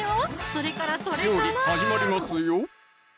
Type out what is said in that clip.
それからそれから料理始まりますよ